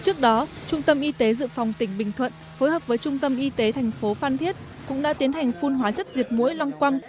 trước đó trung tâm y tế dự phòng tỉnh bình thuận phối hợp với trung tâm y tế thành phố phan thiết cũng đã tiến hành phun hóa chất diệt mũi loang quăng